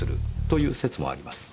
という説もあります。